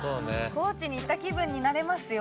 高知に行った気分になれますよ。